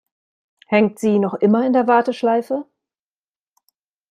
Hängt sie noch immer in der Warteschleife?